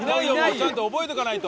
ちゃんと覚えとかないと。